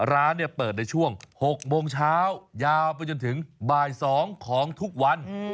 ร้านเปิดในช่วง๖โมงเช้ายาวไปจนถึงบ่าย๒ของทุกวัน